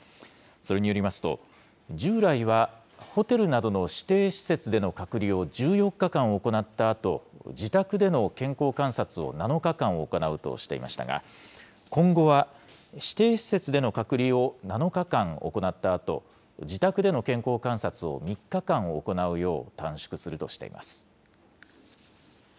それによりますと、従来はホテルなどの指定施設での隔離を１４日間行ったあと、自宅での健康観察を７日間行うとしていましたが、今後は指定施設での隔離を７日間行ったあと、自宅での健康観察を３日間行うよう短縮するとしています。